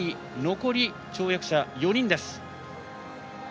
残り跳躍者４人です。